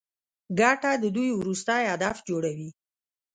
ګټه د دوی وروستی هدف جوړوي